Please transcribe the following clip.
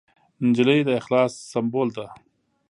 نجلۍ د اخلاص سمبول ده.